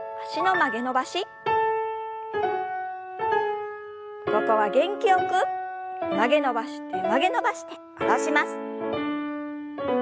曲げ伸ばして曲げ伸ばして下ろします。